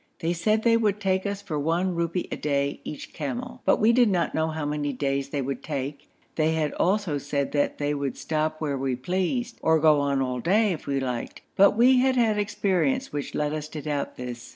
They said they would take us for one rupee a day each camel, but we did not know how many days they would take; they had also said that they would stop where we pleased, or go on all day if we liked, but we had had experience which led us to doubt this.